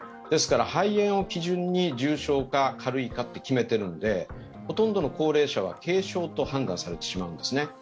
ですから肺炎を基準に重症か軽いかを決めているのでほとんどの高齢者は軽症と判断されてしまうんですね。